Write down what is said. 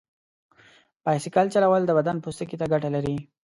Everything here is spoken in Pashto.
بایسکل چلول د بدن پوستکي ته ګټه لري.